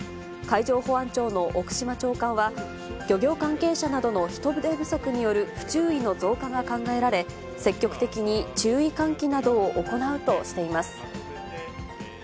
海上保安庁の奥島長官は、漁業関係者などの人手不足による不注意の増加が考えられ、積極的に注意喚起などを行うとしています。